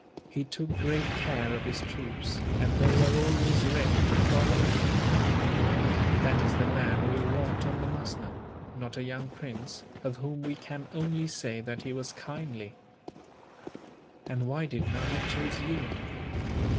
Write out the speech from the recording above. He took great care of his troops, and they were always ready to follow him. That is the man we want on the musnud; not a young prince, of whom we can only say that he was kindly. "And why did Nana choose you?"